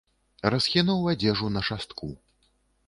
Расхінуў адзежу на шастку.